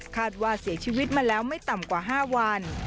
คาดว่าเสียชีวิตมาแล้วไม่ต่ำกว่า๕วัน